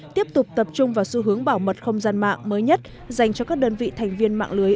tiếp tục tập trung vào xu hướng bảo mật không gian mạng mới nhất dành cho các đơn vị thành viên mạng lưới